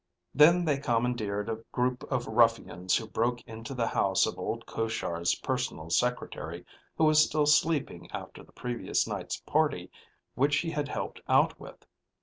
Then they commandeered a group of ruffians who broke into the house of old Koshar's personal secretary, who was still sleeping after the previous night's party which he had helped out with.